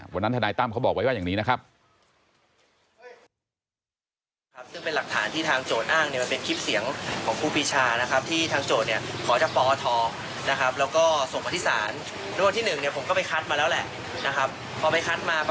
ทนายตั้มเขาบอกไว้ว่าอย่างนี้นะครับ